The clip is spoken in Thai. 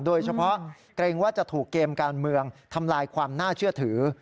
โดยเฉพาะเกรงว่าจะถูกเกมการเมืองทำลายความน่าเชื่อถือ